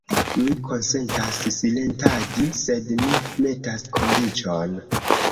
Mi konsentas silentadi; sed mi metas kondiĉon.